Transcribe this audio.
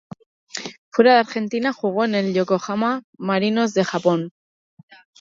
Fuera de Argentina jugó en el Yokohama Marinos de Japón.